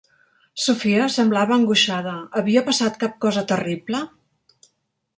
Sophia semblava angoixada, havia passat cap cosa terrible?